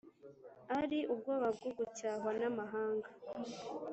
ari ubwoba bwo gucyahwa n'amahanga.